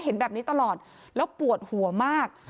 เห็นแบบนี้ตลอดแล้วปวดหัวมาก